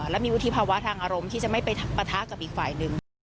และมีวุฒิภาวะทางอารมณ์ที่จะไม่ไปปะทะกับอีกฝ่ายหนึ่ง